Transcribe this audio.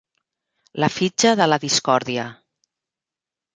La fitxa de la discòrdia.